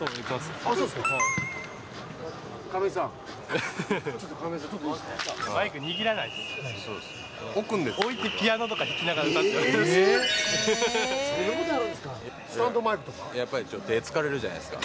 そうですか？